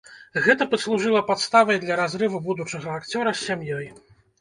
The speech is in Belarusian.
Гэта паслужыла падставай для разрыву будучага акцёра з сям'ёй.